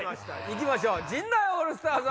いきましょう陣内オールスターズ